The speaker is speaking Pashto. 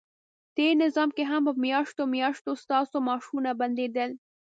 تېر نظام کې هم په میاشتو میاشتو ستاسو معاشونه بندیدل،